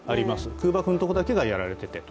空爆のところだけがやられていて。